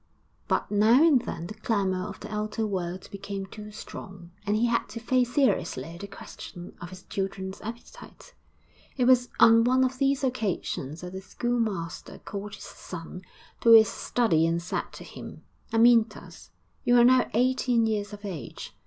But now and then the clamour of the outer world became too strong, and he had to face seriously the question of his children's appetite. It was on one of these occasions that the schoolmaster called his son to his study and said to him, 'Amyntas, you are now eighteen years of age.